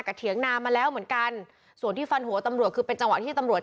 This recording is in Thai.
เถียงนามาแล้วเหมือนกันส่วนที่ฟันหัวตำรวจคือเป็นจังหวะที่ตำรวจ